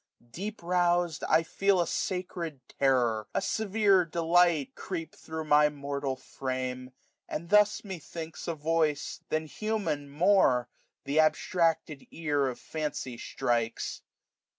Deq^ rous'd^ I £cel 540 A sacred terror, a severe delight^ Creep thro* my mortal frame i and thus, methinks^ A voice, than human more, th' abstracted ear Of fancy strikes.